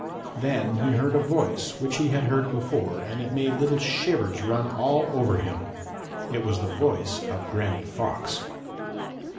Then he heard a voice which he had heard before, and it made little shivers run all over him. It was the voice of Granny Fox.